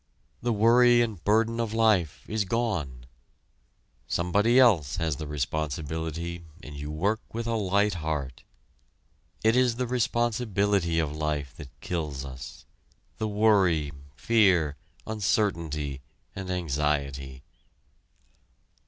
The worry and burden of life is gone. Somebody else has the responsibility and you work with a light heart. It is the responsibility of life that kills us, the worry, fear, uncertainty, and anxiety.